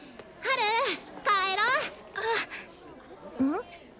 ん？